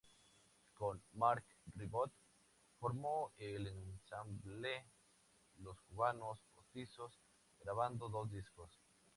Con Marc Ribot formó el ensamble Los Cubanos Postizos, grabando dos discos.